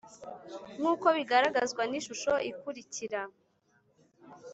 nkuko biragaragazwa n’ishusho ikurikira